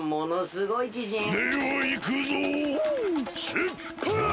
しゅっぱつ！